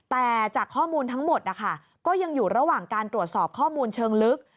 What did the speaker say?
แต่จากข้อมูลทั้งหมดนะคะก็ยังอยู่ระหว่างการตรวจสอบข้อมูลเชิงลึก